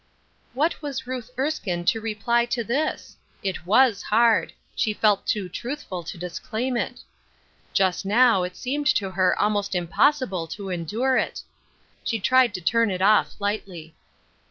What was Ruth Erskine to reply to this ? It was hard; she felt too truthful to disclaim it. Just now it seemed to her almost impossible to endure it. She tried to turn it off lightly.